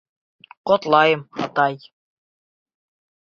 Ҡотлайым, атай!